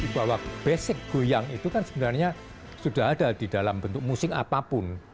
bahwa basic goyang itu kan sebenarnya sudah ada di dalam bentuk musik apapun